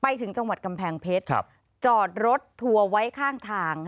ไปถึงจังหวัดกำแพงเพชรจอดรถทัวร์ไว้ข้างทาง